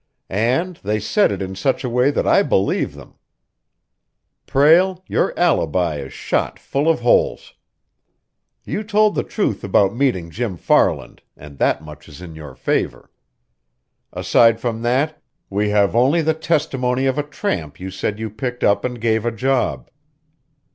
"And they said it in such a way that I believe them. Prale, your alibi is shot full of holes. You told the truth about meeting Jim Farland, and that much is in your favor. Aside from that, we have only the testimony of a tramp you said you picked up and gave a job.